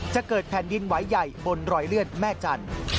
จะเกิดแผ่นดินไหวใหญ่บนรอยเลือดแม่จันทร์